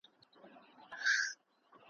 محکمې ته یې مېرمن کړه را حضوره ,